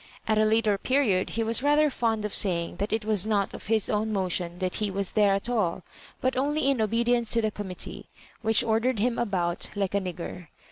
At a Ikter period he was rather fond of Ba3ring that it was not of his own motion that he was there at all, but only in obedience to the committee, which ordered him about like a nig ger.